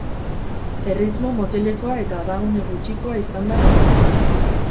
Erritmo motelekoa eta abagune gutxikoa izan da partida.